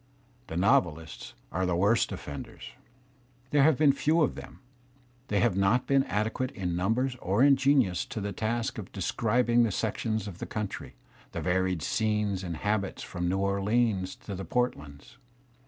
Tte novej^^ are. the worst offenders. There have been / few of tfiraT; they have not been adequate in numbers or in j genius to the task of describing the sections of the coimtry, the varied scenes and habits from New Orleans to the Port , lands.